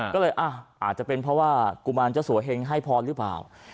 ก็เลยอาจจะเป็นเพราะว่ากุมารเจ้าสัวเฮงให้พรหรือเปล่า